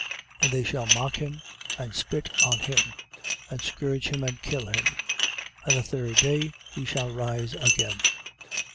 10:34. And they shall mock him and spit on him and scourge him and kill him: and the third day he shall rise again.